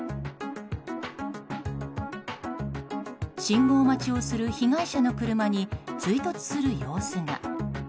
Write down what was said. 信号待ちをする被害者の車に追突する様子が。